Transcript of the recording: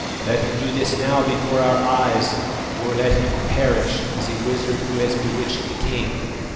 Let him do this now before our eyes, or let him perish as a wizard who has bewitched the king.